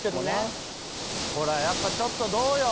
ほらやっぱちょっとどうよ？